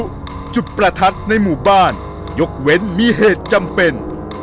จุดประทัดในหมู่บ้านยกเว้นมีเหตุจำเป็น